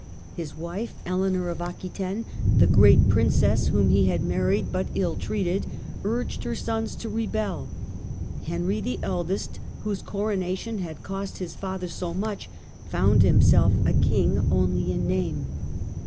His wife, Eleanor of Aquitaine, the great princess whom he had married but ill treated, urged her sons to rebel. Henry, the eldest, whose coronation had cost his father so much, found himself a king only in name.